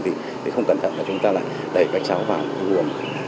thì không cẩn thận là chúng ta đẩy bạch cháu vào vùng đua